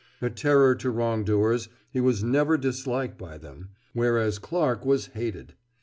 A terror to wrongdoers, he was never disliked by them, whereas Clarke was hated.